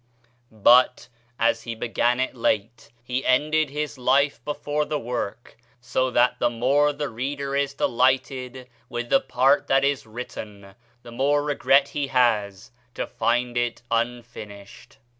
But, as he began it late, he ended his life before the work, so that the more the reader is delighted with the part that is written, the more regret he has to find it unfinished."